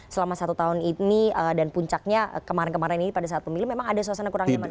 selama satu tahun ini dan puncaknya kemarin kemarin ini pada saat pemilih memang ada suasana kurang nyaman